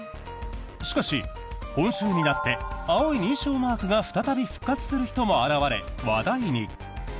しかし、今週になって青い認証マークが再び復活する人も現れ、話題に。